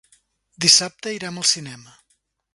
Dissabte irem al cinema.